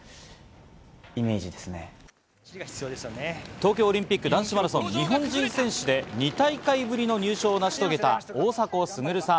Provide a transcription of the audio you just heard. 東京オリンピック男子マラソン、日本人選手で２大会ぶりの優勝を成し遂げた出た大迫傑さん。